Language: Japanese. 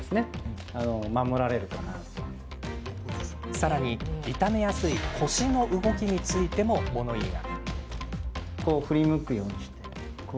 さらに、痛めやすい腰の動きについても物言いが。